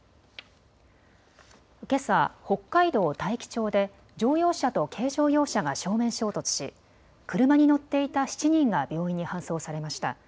けさ北海道大樹町で乗用車と軽乗用車が正面衝突し車に乗っていた７人が病院に搬送されました。